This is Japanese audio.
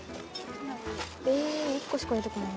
え１個しか出てこない。